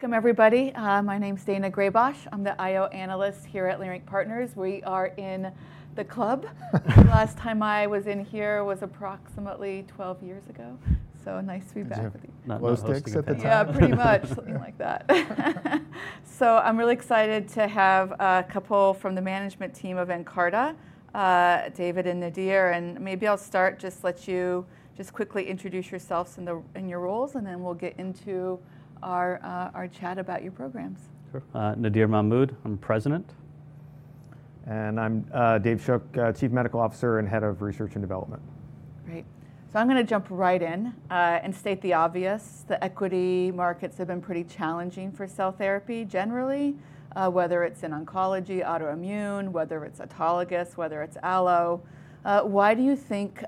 Welcome, everybody. My name's Dana Grebosh. I'm the I/O analyst here at Lyric Partners. We are in the club. The last time I was in here was approximately 12 years ago. So nice to be back with you. Not low sticks at the time. Yeah, pretty much. Something like that. I'm really excited to have a couple from the management team of Nkarta, David and Nadir. Maybe I'll start, just let you just quickly introduce yourselves and your roles, and then we'll get into our chat about your programs. Nadir Mahmood, I'm president. I'm David Shook, Chief Medical Officer and head of research and development. Great. I'm going to jump right in and state the obvious. The equity markets have been pretty challenging for cell therapy generally, whether it's in oncology, autoimmune, whether it's autologous, whether it's allo-. Why do you think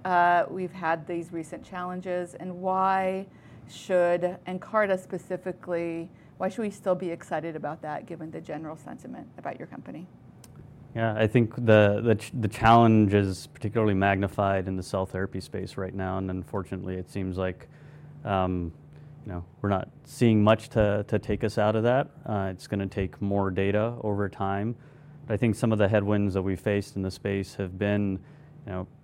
we've had these recent challenges, and why should Nkarta specifically—why should we still be excited about that, given the general sentiment about your company? Yeah, I think the challenge is particularly magnified in the cell therapy space right now. Unfortunately, it seems like we're not seeing much to take us out of that. It's going to take more data over time. I think some of the headwinds that we've faced in the space have been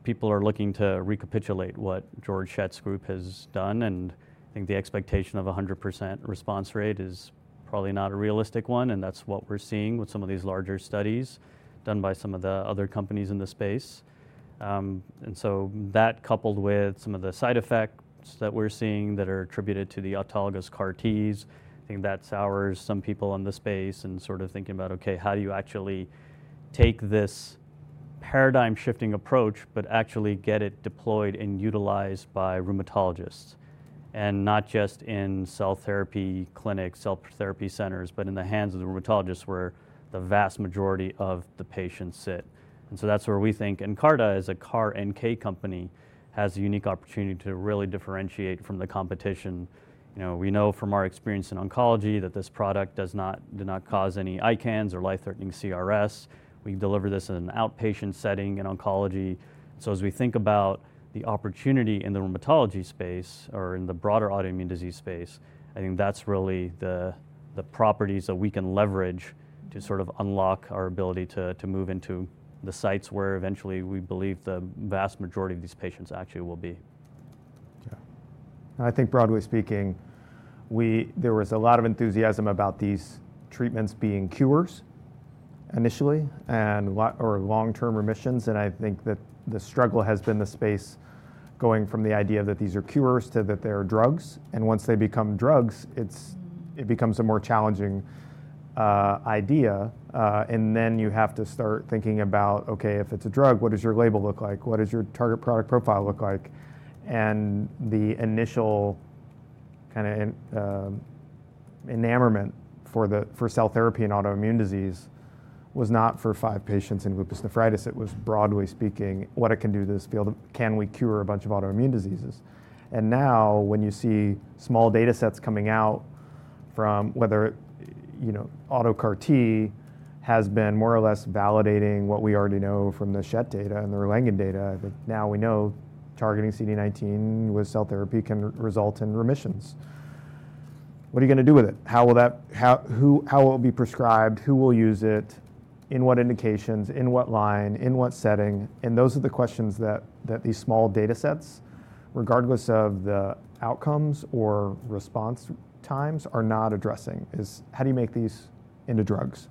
people are looking to recapitulate what George Shett's group has done. I think the expectation of a 100% response rate is probably not a realistic one. That's what we're seeing with some of these larger studies done by some of the other companies in the space. That, coupled with some of the side effects that we're seeing that are attributed to the autologous CAR-Ts, I think that sours some people in the space and sort of thinking about, OK, how do you actually take this paradigm-shifting approach, but actually get it deployed and utilized by rheumatologists? Not just in cell therapy clinics, cell therapy centers, but in the hands of the rheumatologists where the vast majority of the patients sit. That's where we think Nkarta, as a CAR NK company, has a unique opportunity to really differentiate from the competition. We know from our experience in oncology that this product does not cause any ICANS or life-threatening CRS. We deliver this in an outpatient setting in oncology. As we think about the opportunity in the rheumatology space or in the broader autoimmune disease space, I think that's really the properties that we can leverage to sort of unlock our ability to move into the sites where eventually we believe the vast majority of these patients actually will be. Yeah. I think broadly speaking, there was a lot of enthusiasm about these treatments being cures initially or long-term remissions. I think that the struggle has been the space going from the idea that these are cures to that they're drugs. Once they become drugs, it becomes a more challenging idea. You have to start thinking about, OK, if it's a drug, what does your label look like? What does your target product profile look like? The initial kind of enamorment for cell therapy and autoimmune disease was not for five patients in lupus nephritis. It was, broadly speaking, what it can do to this field of can we cure a bunch of autoimmune diseases. Now when you see small data sets coming out from whether auto CAR-T has been more or less validating what we already know from the Shett data and the Ralangan data, I think now we know targeting CD19 with cell therapy can result in remissions. What are you going to do with it? How will that, how will it be prescribed? Who will use it? In what indications? In what line? In what setting? Those are the questions that these small data sets, regardless of the outcomes or response times, are not addressing. How do you make these into drugs?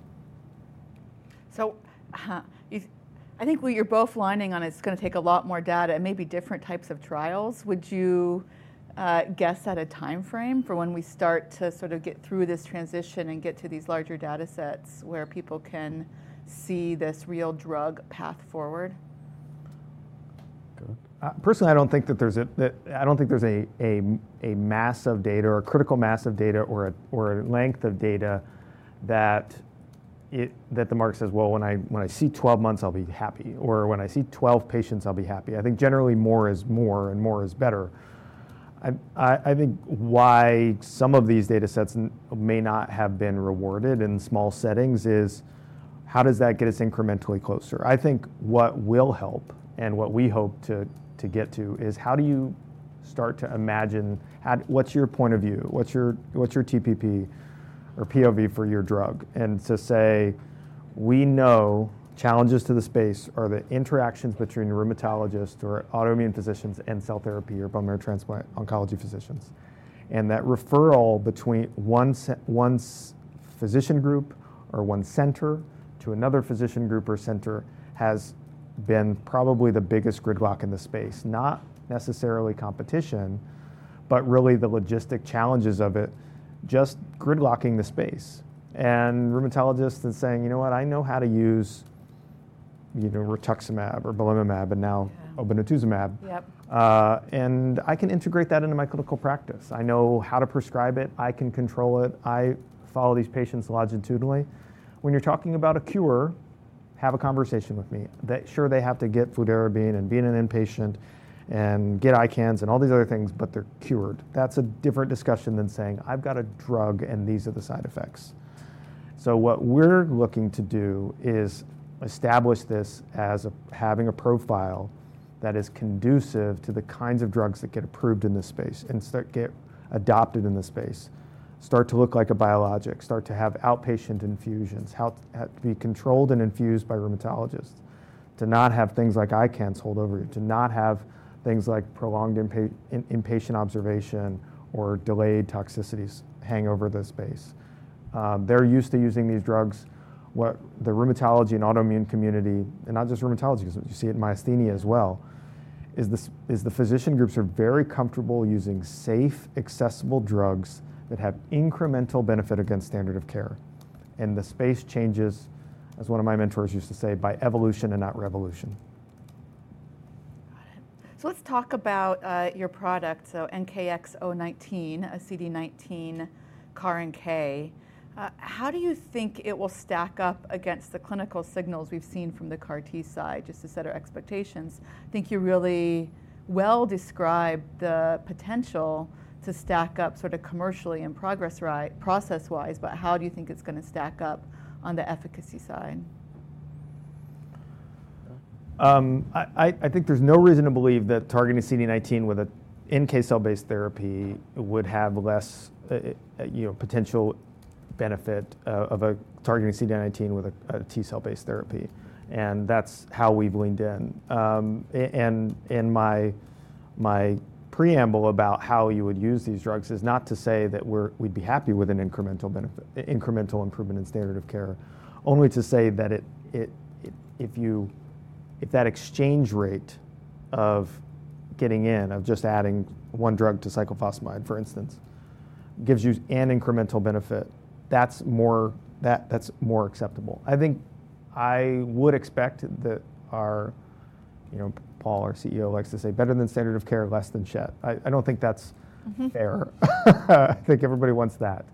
I think what you're both lining on is it's going to take a lot more data and maybe different types of trials. Would you guess at a time frame for when we start to sort of get through this transition and get to these larger data sets where people can see this real drug path forward? Personally, I don't think that there's a mass of data or a critical mass of data or a length of data that the market says, well, when I see 12 months, I'll be happy. Or when I see 12 patients, I'll be happy. I think generally more is more, and more is better. I think why some of these data sets may not have been rewarded in small settings is how does that get us incrementally closer? I think what will help and what we hope to get to is how do you start to imagine what's your point of view? What's your TPP or POV for your drug? And to say, we know challenges to the space are the interactions between rheumatologists or autoimmune physicians and cell therapy or bone marrow transplant oncology physicians. That referral between one physician group or one center to another physician group or center has been probably the biggest gridlock in the space. Not necessarily competition, but really the logistic challenges of it just gridlocking the space. Rheumatologists are saying, you know what? I know how to use rituximab or belimumab, and now obinutuzumab. I can integrate that into my clinical practice. I know how to prescribe it. I can control it. I follow these patients longitudinally. When you're talking about a cure, have a conversation with me. Sure, they have to get fludarabine and be in an inpatient and get ICANS and all these other things, but they're cured. That's a different discussion than saying, I've got a drug, and these are the side effects. What we're looking to do is establish this as having a profile that is conducive to the kinds of drugs that get approved in this space and get adopted in the space. Start to look like a biologic. Start to have outpatient infusions. Be controlled and infused by rheumatologists. To not have things like ICANS hold over you. To not have things like prolonged inpatient observation or delayed toxicities hang over the space. They're used to using these drugs. The rheumatology and autoimmune community, and not just rheumatology, because you see it in myasthenia as well, is the physician groups are very comfortable using safe, accessible drugs that have incremental benefit against standard of care. The space changes, as one of my mentors used to say, by evolution and not revolution. Got it. Let's talk about your product, so NKX019, a CD19 CAR NK. How do you think it will stack up against the clinical signals we've seen from the CAR-T side, just to set our expectations? I think you really well described the potential to stack up sort of commercially and process-wise, but how do you think it's going to stack up on the efficacy side? I think there's no reason to believe that targeting CD19 with an NK cell-based therapy would have less potential benefit than targeting CD19 with a T cell-based therapy. That's how we've leaned in. My preamble about how you would use these drugs is not to say that we'd be happy with an incremental improvement in standard of care, only to say that if that exchange rate of getting in, of just adding one drug to cyclophosphamide, for instance, gives you an incremental benefit, that's more acceptable. I think I would expect that our Paul, our CEO, likes to say, better than standard of care, less than Shett. I don't think that's fair. I think everybody wants that.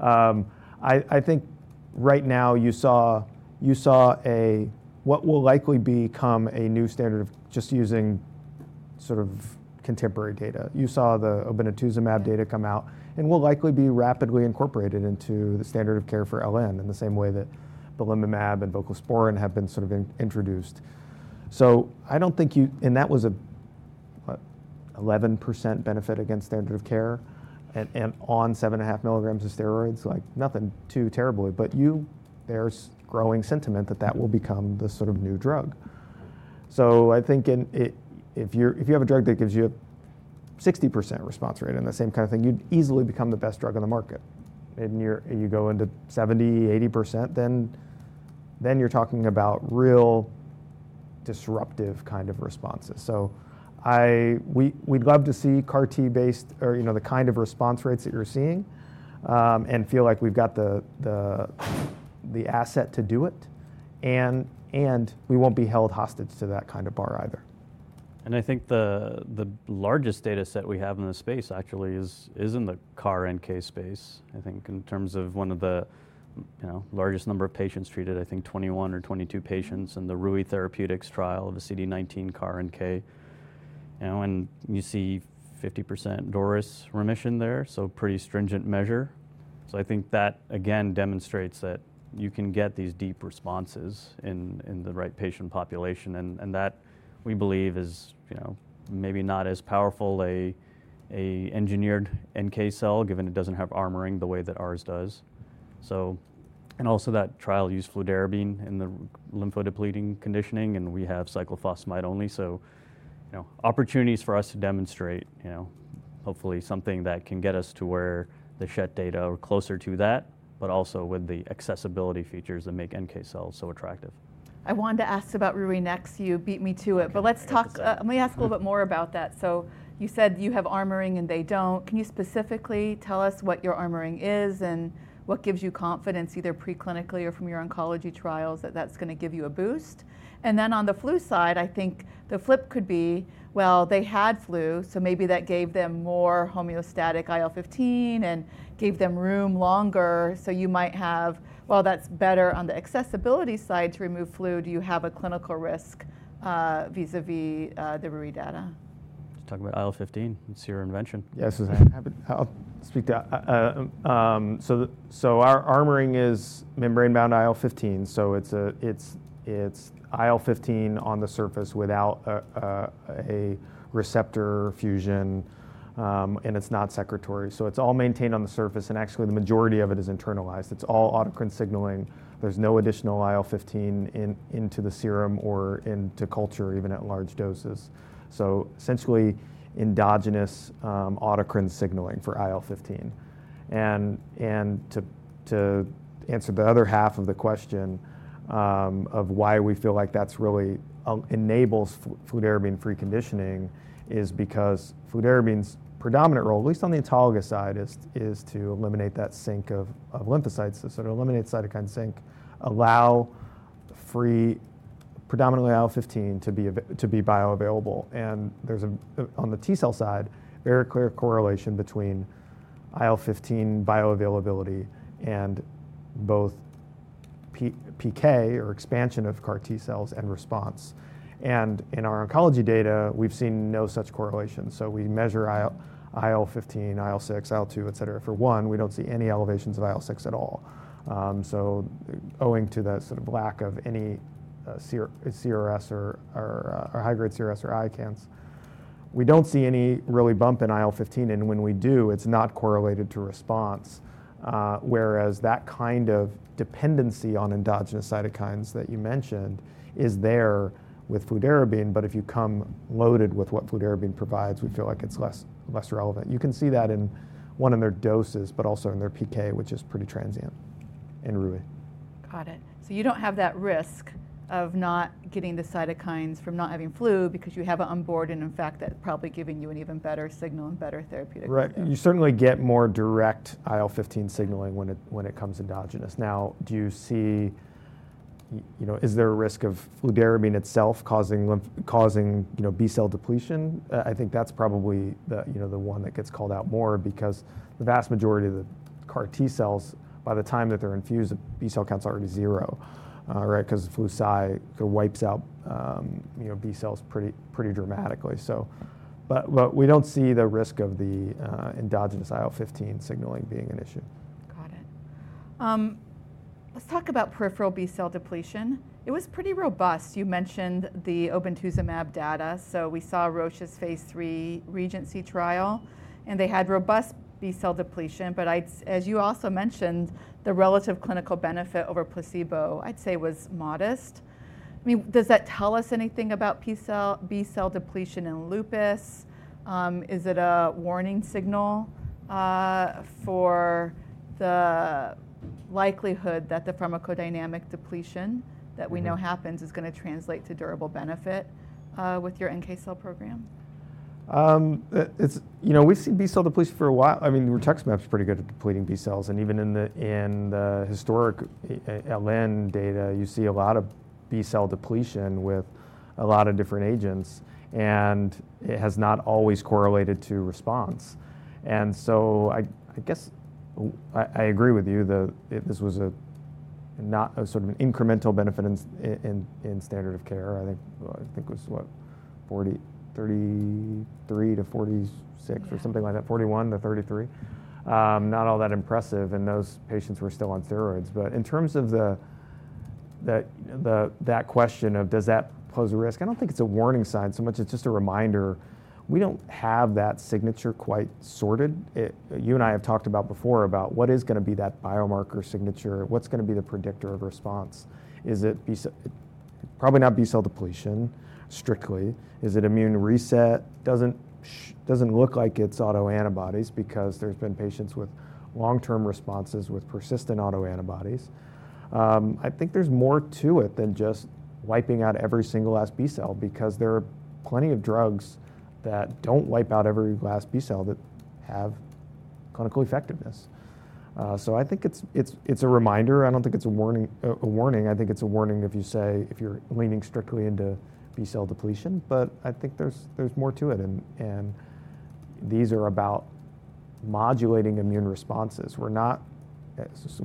I think right now you saw what will likely become a new standard of just using sort of contemporary data. You saw the obinutuzumab data come out, and will likely be rapidly incorporated into the standard of care for LN in the same way that belimumab and voclosporin have been sort of introduced. I do not think you, and that was an 11% benefit against standard of care and on 7.5 milligrams of steroids, like nothing too terribly. There is growing sentiment that that will become the sort of new drug. I think if you have a drug that gives you a 60% response rate and the same kind of thing, you'd easily become the best drug on the market. You go into 70%, 80%, then you're talking about real disruptive kind of responses. We'd love to see CAR-T-based or the kind of response rates that you're seeing and feel like we've got the asset to do it. We won't be held hostage to that kind of bar either. I think the largest data set we have in the space actually is in the CAR NK space, in terms of one of the largest number of patients treated, I think 21 or 22 patients in the Fate Therapeutics trial of a CD19 CAR NK. You see 50% DORIS remission there, so pretty stringent measure. I think that, again, demonstrates that you can get these deep responses in the right patient population. That, we believe, is maybe not as powerful an engineered NK cell, given it doesn't have armoring the way that ours does. Also, that trial used fludarabine in the lymphodepleting conditioning, and we have cyclophosphamide only. Opportunities for us to demonstrate, hopefully, something that can get us to where the Shett data are closer to that, but also with the accessibility features that make NK cells so attractive. I wanted to ask about Fate next. You beat me to it. Let me ask a little bit more about that. You said you have armoring and they do not. Can you specifically tell us what your armoring is and what gives you confidence, either preclinically or from your oncology trials, that that is going to give you a boost? On the flu side, I think the flip could be, they had flu, so maybe that gave them more homeostatic IL-15 and gave them room longer. You might have, that is better on the accessibility side to remove flu. Do you have a clinical risk vis-à-vis the Fate data? Just talking about IL-15, it's your invention. Yes, I'll speak to that. Our armoring is membrane-bound IL-15. It is IL-15 on the surface without a receptor fusion, and it is not secretory. It is all maintained on the surface. Actually, the majority of it is internalized. It is all autocrine signaling. There is no additional IL-15 into the serum or into culture, even at large doses. Essentially endogenous autocrine signaling for IL-15. To answer the other half of the question of why we feel like that really enables fludarabine-free conditioning is because fludarabine's predominant role, at least on the autologous side, is to eliminate that sync of lymphocytes, sort of eliminate cytokine sync, allow predominantly IL-15 to be bioavailable. On the T cell side, there is a very clear correlation between IL-15 bioavailability and both PK or expansion of CAR-T cells and response. In our oncology data, we have seen no such correlation. We measure IL-15, IL-6, IL-2, et cetera. For one, we do not see any elevations of IL-6 at all. Owing to the sort of lack of any CRS or high-grade CRS or ICANS, we do not see any really bump in IL-15. When we do, it is not correlated to response, whereas that kind of dependency on endogenous cytokines that you mentioned is there with fludarabine. If you come loaded with what fludarabine provides, we feel like it is less relevant. You can see that in one of their doses, but also in their PK, which is pretty transient in Fate Therapeutics. Got it. You don't have that risk of not getting the cytokines from not having flu because you have it on board. In fact, that's probably giving you an even better signal and better therapeutic response. Right. You certainly get more direct IL-15 signaling when it comes endogenous. Now, do you see is there a risk of fludarabine itself causing B cell depletion? I think that's probably the one that gets called out more because the vast majority of the CAR-T cells, by the time that they're infused, B cell count's already zero, right, because flu C wipes out B cells pretty dramatically. We don't see the risk of the endogenous IL-15 signaling being an issue. Got it. Let's talk about peripheral B cell depletion. It was pretty robust. You mentioned the obinutuzumab data. We saw Roche's phase III regency trial, and they had robust B cell depletion. As you also mentioned, the relative clinical benefit over placebo, I'd say, was modest. I mean, does that tell us anything about B cell depletion in lupus? Is it a warning signal for the likelihood that the pharmacodynamic depletion that we know happens is going to translate to durable benefit with your NK cell program? We've seen B cell depletion for a while. I mean, rituximab's pretty good at depleting B cells. Even in the historic LN data, you see a lot of B cell depletion with a lot of different agents. It has not always correlated to response. I guess I agree with you that this was not sort of an incremental benefit in standard of care. I think it was, what, 33-46 or something like that, 41-33, not all that impressive. Those patients were still on steroids. In terms of that question of does that pose a risk, I don't think it's a warning sign so much. It's just a reminder. We don't have that signature quite sorted. You and I have talked before about what is going to be that biomarker signature, what's going to be the predictor of response. Is it probably not B cell depletion strictly. Is it immune reset? Doesn't look like it's autoantibodies because there's been patients with long-term responses with persistent autoantibodies. I think there's more to it than just wiping out every single last B cell because there are plenty of drugs that don't wipe out every last B cell that have clinical effectiveness. I think it's a reminder. I don't think it's a warning. I think it's a warning if you say if you're leaning strictly into B cell depletion. I think there's more to it. These are about modulating immune responses. We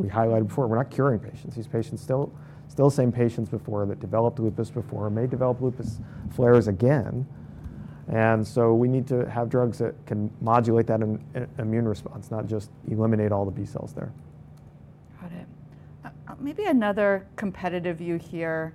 highlighted before, we're not curing patients. These patients are still the same patients before that developed lupus before, may develop lupus flares again. We need to have drugs that can modulate that immune response, not just eliminate all the B cells there. Got it. Maybe another competitive view here.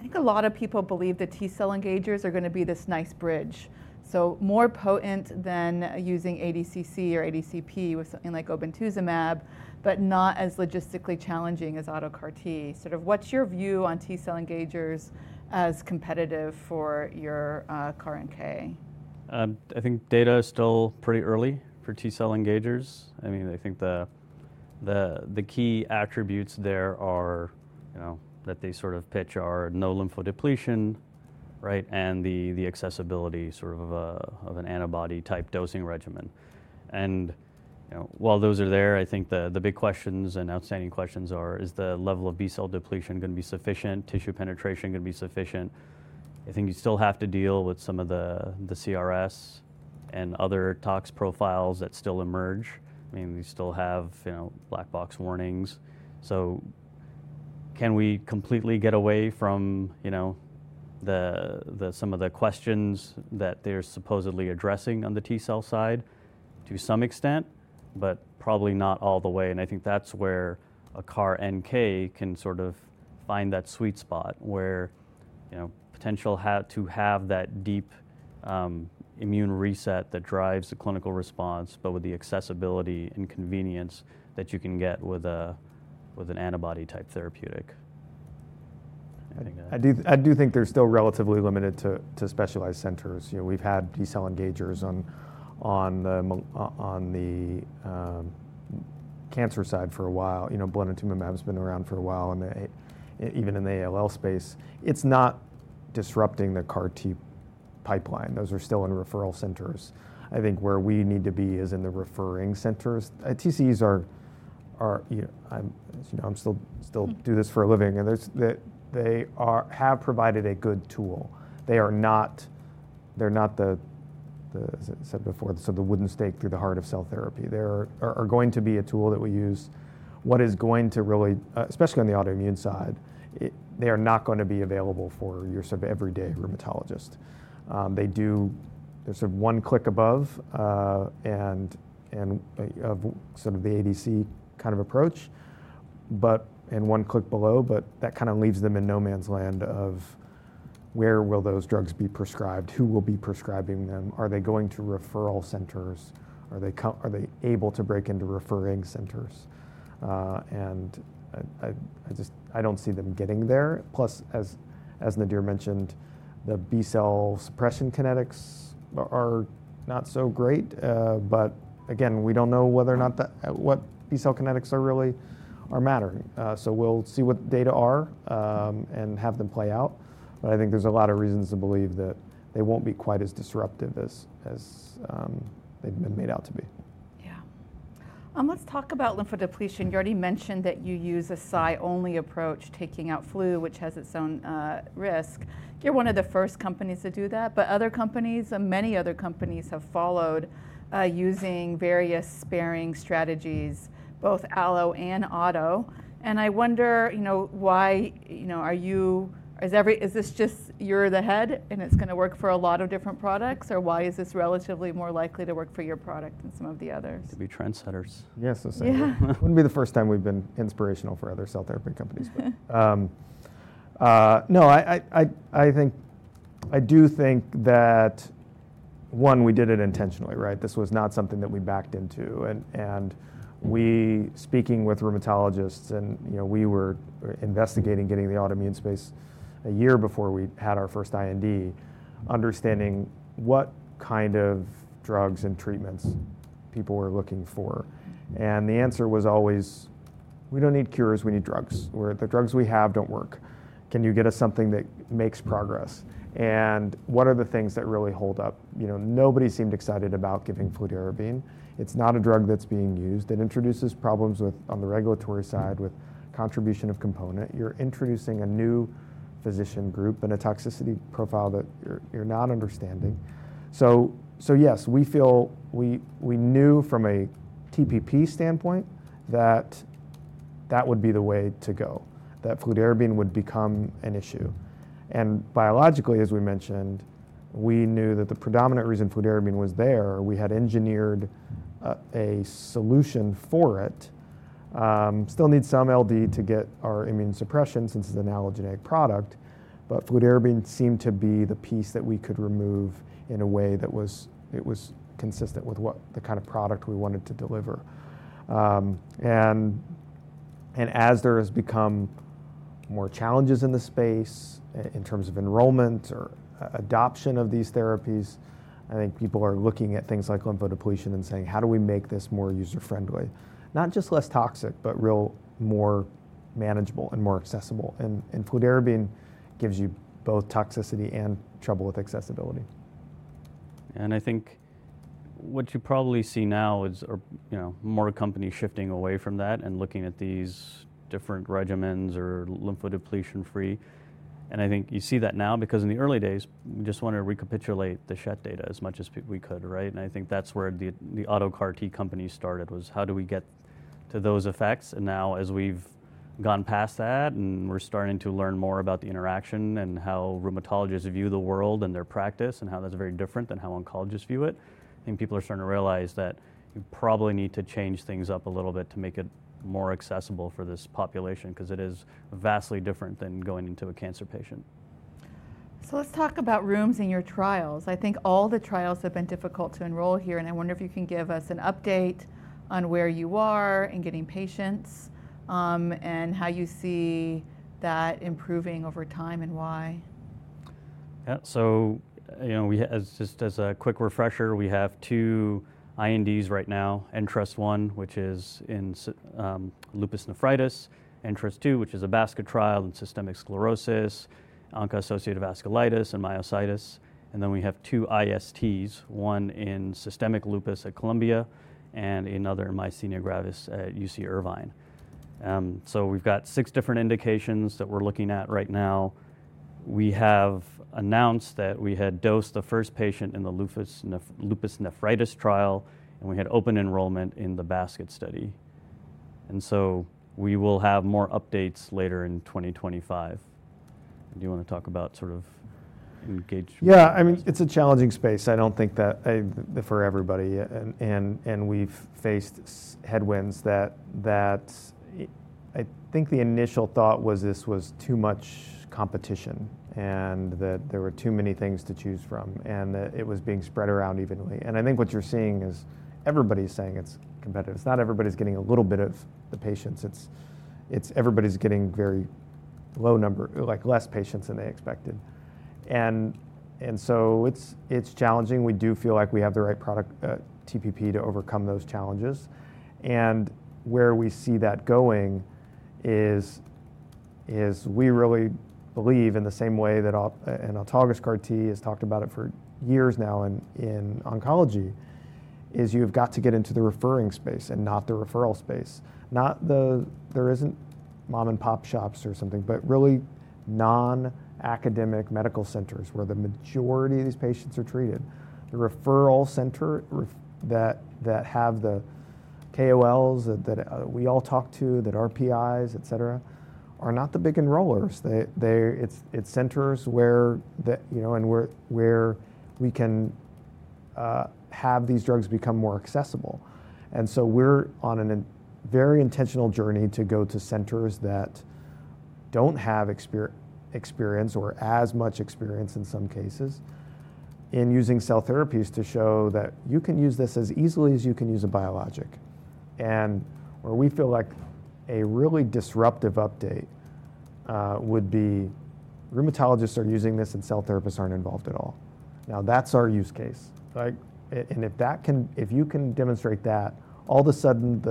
I think a lot of people believe the T cell engagers are going to be this nice bridge, so more potent than using ADCC or ADCP with something like obinutuzumab, but not as logistically challenging as autocar T. Sort of what's your view on T cell engagers as competitive for your CAR NK? I think data is still pretty early for T cell engagers. I mean, I think the key attributes there are that they sort of pitch are no lymphodepletion, right, and the accessibility sort of of an antibody-type dosing regimen. While those are there, I think the big questions and outstanding questions are, is the level of B cell depletion going to be sufficient? Tissue penetration going to be sufficient? I think you still have to deal with some of the CRS and other tox profiles that still emerge. I mean, we still have black box warnings. Can we completely get away from some of the questions that they're supposedly addressing on the T cell side to some extent, but probably not all the way? I think that's where a CAR NK can sort of find that sweet spot where potential to have that deep immune reset that drives the clinical response, but with the accessibility and convenience that you can get with an antibody-type therapeutic. I do think they're still relatively limited to specialized centers. We've had T cell engagers on the cancer side for a while. Belimumab has been around for a while. Even in the ALL space, it's not disrupting the CAR-T pipeline. Those are still in referral centers. I think where we need to be is in the referring centers. TCEs are, as you know, I still do this for a living. They have provided a good tool. They are not, they're not the, as I said before, the wooden stake through the heart of cell therapy. They are going to be a tool that we use. What is going to really, especially on the autoimmune side, they are not going to be available for your sort of everyday rheumatologist. They do, they're sort of one click above and of sort of the ADC kind of approach and one click below. That kind of leaves them in no man's land of where will those drugs be prescribed? Who will be prescribing them? Are they going to referral centers? Are they able to break into referring centers? I don't see them getting there. Plus, as Nadir mentioned, the B cell suppression kinetics are not so great. Again, we don't know whether or not what B cell kinetics are really are mattering. We will see what the data are and have them play out. I think there's a lot of reasons to believe that they won't be quite as disruptive as they've been made out to be. Yeah. Let's talk about lymphodepletion. You already mentioned that you use a Cy only approach, taking out flu, which has its own risk. You're one of the first companies to do that. Many other companies have followed using various sparing strategies, both allo and auto. I wonder, why are you, is this just you're the head and it's going to work for a lot of different products? Why is this relatively more likely to work for your product than some of the others? To be trendsetters. Yes. It would not be the first time we have been inspirational for other cell therapy companies. No, I think I do think that, one, we did it intentionally, right? This was not something that we backed into. We, speaking with rheumatologists, and we were investigating getting the autoimmune space a year before we had our first IND, understanding what kind of drugs and treatments people were looking for. The answer was always, we do not need cures, we need drugs. The drugs we have do not work. Can you get us something that makes progress? What are the things that really hold up? Nobody seemed excited about giving fludarabine. It is not a drug that is being used. It introduces problems on the regulatory side with contribution of component. You are introducing a new physician group and a toxicity profile that you are not understanding. Yes, we feel we knew from a TPP standpoint that that would be the way to go, that fludarabine would become an issue. And biologically, as we mentioned, we knew that the predominant reason fludarabine was there, we had engineered a solution for it. Still need some LD to get our immune suppression since it's an Allogeneic product. But fludarabine seemed to be the piece that we could remove in a way that was consistent with what the kind of product we wanted to deliver. As there have become more challenges in the space in terms of enrollment or adoption of these therapies, I think people are looking at things like lymphodepletion and saying, how do we make this more user-friendly? Not just less toxic, but real more manageable and more accessible. Fludarabine gives you both toxicity and trouble with accessibility. I think what you probably see now is more companies shifting away from that and looking at these different regimens or lymphodepletion-free. I think you see that now because in the early days, we just wanted to recapitulate the SHET data as much as we could, right? I think that's where the auto CAR-T companies started was how do we get to those effects? Now as we've gone past that and we're starting to learn more about the interaction and how rheumatologists view the world and their practice and how that's very different than how oncologists view it, I think people are starting to realize that you probably need to change things up a little bit to make it more accessible for this population because it is vastly different than going into a cancer patient. Let's talk about rooms in your trials. I think all the trials have been difficult to enroll here. I wonder if you can give us an update on where you are in getting patients and how you see that improving over time and why. Just as a quick refresher, we have two INDs right now, NtrustOne, which is in lupus nephritis, NtrustOne, which is a BASCA trial in systemic sclerosis, onco-associated vasculitis, and myositis. We have two ISTs, one in systemic lupus at Columbia and another in myasthenia gravis at UC Irvine. We have six different indications that we're looking at right now. We have announced that we had dosed the first patient in the lupus nephritis trial, and we had open enrollment in the BASCA study. We will have more updates later in 2025. Do you want to talk about sort of engagement? Yeah. I mean, it's a challenging space. I don't think that for everybody. We've faced headwinds that I think the initial thought was this was too much competition and that there were too many things to choose from and that it was being spread around evenly. I think what you're seeing is everybody's saying it's competitive. It's not everybody's getting a little bit of the patients. It's everybody's getting very low number, like less patients than they expected. It's challenging. We do feel like we have the right product TPP to overcome those challenges. Where we see that going is we really believe in the same way that an autologous CAR-T has talked about it for years now in oncology, is you have got to get into the referring space and not the referral space. There isn't mom-and-pop shops or something, but really non-academic medical centers where the majority of these patients are treated. The referral center that have the KOLs that we all talk to, that RPIs, et cetera, are not the big enrollers. It is centers where we can have these drugs become more accessible. We are on a very intentional journey to go to centers that do not have experience or as much experience in some cases in using cell therapies to show that you can use this as easily as you can use a biologic. Where we feel like a really disruptive update would be rheumatologists are using this and cell therapists are not involved at all. Now that is our use case. If you can demonstrate that, all of a sudden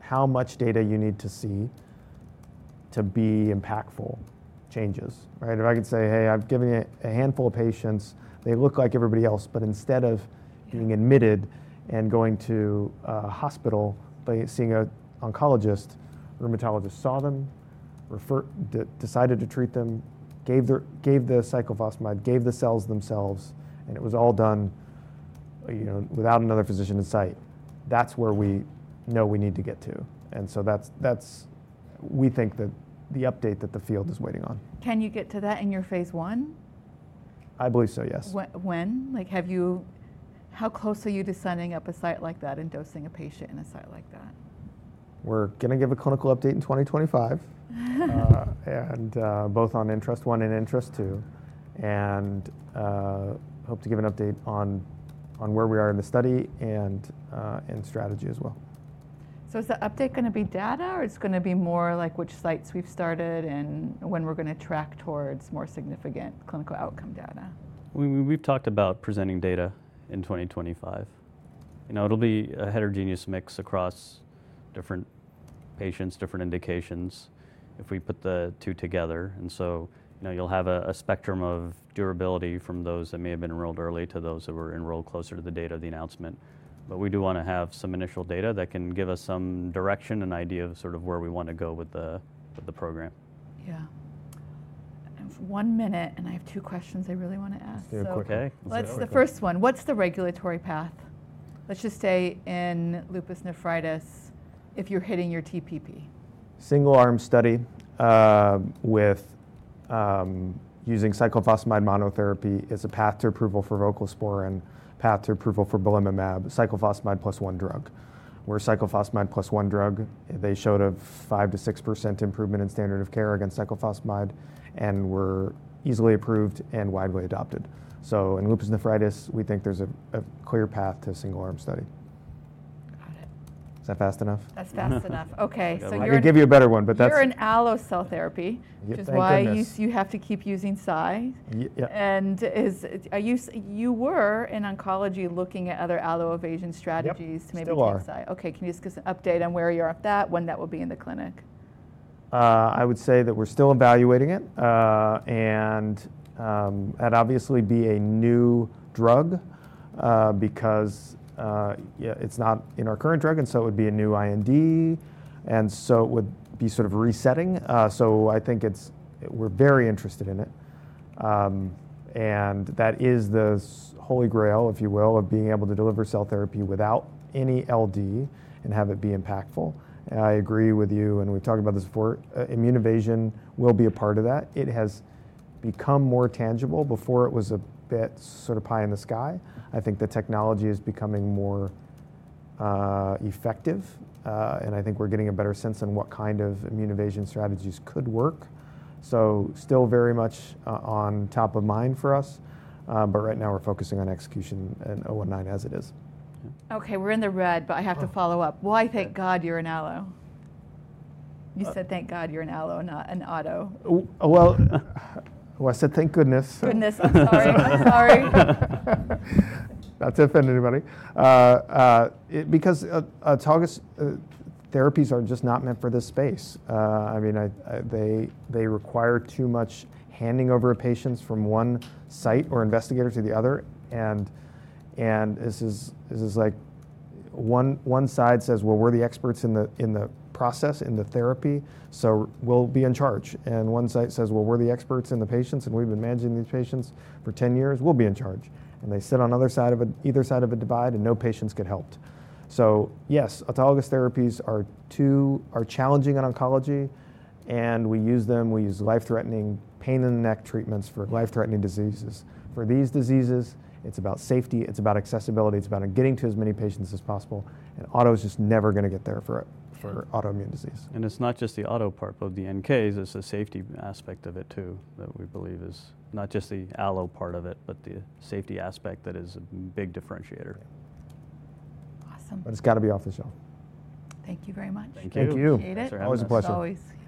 how much data you need to see to be impactful changes, right? If I could say, hey, I've given you a handful of patients, they look like everybody else, but instead of being admitted and going to a hospital by seeing an oncologist, a rheumatologist saw them, decided to treat them, gave the cyclophosphamide, gave the cells themselves, and it was all done without another physician in sight, that's where we know we need to get to. We think that the update that the field is waiting on. Can you get to that in your phase one? I believe so, yes. When? How close are you to signing up a site like that and dosing a patient in a site like that? We're going to give a clinical update in 2025 on both NKX019 and NKX101. We hope to give an update on where we are in the study and strategy as well. Is the update going to be data or it's going to be more like which sites we've started and when we're going to track towards more significant clinical outcome data? We've talked about presenting data in 2025. It'll be a heterogeneous mix across different patients, different indications if we put the two together. You will have a spectrum of durability from those that may have been enrolled early to those that were enrolled closer to the date of the announcement. We do want to have some initial data that can give us some direction and idea of sort of where we want to go with the program. Yeah. One minute and I have two questions I really want to ask. Okay. What's the first one? What's the regulatory path? Let's just say in lupus nephritis, if you're hitting your TPP. Single arm study with using cyclophosphamide monotherapy is a path to approval for voclosporin, path to approval for belimumab, cyclophosphamide plus one drug. Where cyclophosphamide plus one drug, they showed a 5%-6% improvement in standard of care against cyclophosphamide and were easily approved and widely adopted. In lupus nephritis, we think there's a clear path to a single arm study. Got it. Is that fast enough? That's fast enough. Okay. I could give you a better one, but that's. You're an allo cell therapy, which is why you have to keep using SI. You were in oncology looking at other allo evasion strategies to maybe get SI. Yes. Okay. Can you just give us an update on where you're at that, when that will be in the clinic? I would say that we're still evaluating it. It'd obviously be a new drug because it's not in our current drug. It would be a new IND. It would be sort of resetting. I think we're very interested in it. That is the holy grail, if you will, of being able to deliver cell therapy without any LD and have it be impactful. I agree with you and we've talked about this before. Immune evasion will be a part of that. It has become more tangible. Before it was a bit sort of pie in the sky. I think the technology is becoming more effective. I think we're getting a better sense on what kind of immune evasion strategies could work. Still very much on top of mind for us. Right now we're focusing on execution and 019 as it is. Okay. We're in the red, but I have to follow up. Why thank God you're an allo? You said thank God you're an allo and not an auto. I said thank goodness. Goodness. I'm sorry. I'm sorry. Not to offend anybody. Because autologous therapies are just not meant for this space. I mean, they require too much handing over of patients from one site or investigator to the other. This is like one side says, well, we're the experts in the process, in the therapy, so we'll be in charge. One side says, well, we're the experts in the patients and we've been managing these patients for 10 years, we'll be in charge. They sit on either side of a divide and no patients get helped. Yes, autologous therapies are challenging in oncology. We use them. We use life-threatening pain in the neck treatments for life-threatening diseases. For these diseases, it's about safety. It's about accessibility. It's about getting to as many patients as possible. Auto is just never going to get there for autoimmune disease. It is not just the auto part, but the NKs. It is the safety aspect of it too that we believe is not just the allo part of it, but the safety aspect that is a big differentiator. Awesome. It's got to be off the shelf. Thank you very much. Thank you. Thank you. Always a pleasure. Always.